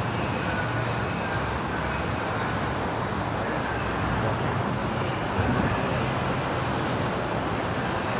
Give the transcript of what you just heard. ไทยอเมื่อไปพันชั้นนี้นะครับ